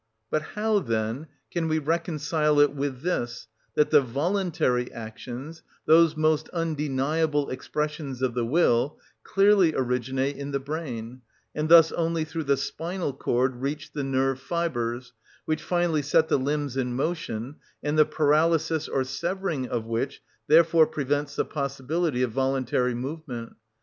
But how, then, can we reconcile it with this, that the voluntary actions, those most undeniable expressions of the will, clearly originate in the brain, and thus only through the spinal cord reach the nerve fibres, which finally set the limbs in motion, and the paralysis or severing of which therefore prevents the possibility of voluntary movement?